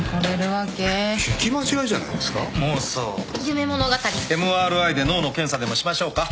夢物語ＭＲＩ で脳の検査でもしましょうか？